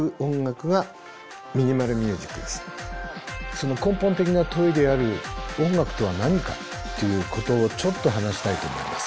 その根本的な問いである音楽とは何かっていうことをちょっと話したいと思います。